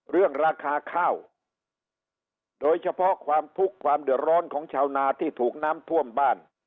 เรื่องราคาข้าวโดยเฉพาะความทุกข์ความเดือดร้อนของชาวนาที่ถูกน้ำท่วมบ้าน